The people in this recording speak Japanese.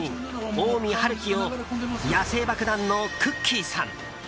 近江晴樹を野性爆弾のくっきー！さん。